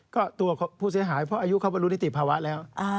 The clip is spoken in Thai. ก็ตัวผู้เสียหายเพราะอายุเขาบรรลุนิติภาวะแล้ว